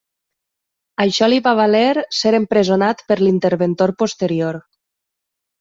Això li va valer ser empresonat per l'interventor posterior.